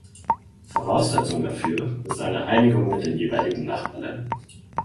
Voraussetzung dafür ist eine Einigung mit den jeweiligen Nachbarländern.